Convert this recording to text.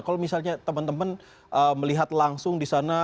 kalau misalnya teman teman melihat langsung di sana